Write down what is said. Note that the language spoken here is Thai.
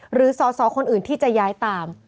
หรือสอสอคนอื่นที่จะย้ายตาม